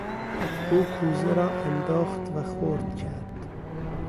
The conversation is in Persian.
او کوزه را انداخت و خرد کرد.